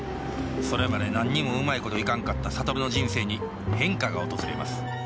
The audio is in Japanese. それまで何にもうまいこといかんかった諭の人生に変化が訪れます